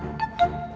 kamu mau ke rumah